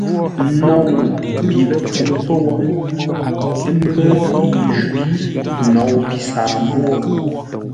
Nou pi ləpfuʼú pə́ wó, ə́ mbə́ yi jwǐ; nou pi saambwô.